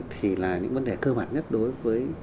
thì là những vấn đề cơ bản nhất đối với